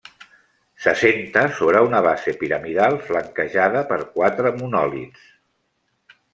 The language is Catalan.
S'assenta sobre una base piramidal flanquejada per quatre monòlits.